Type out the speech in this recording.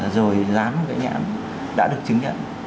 rồi rán một cái nhãn đã được chứng nhận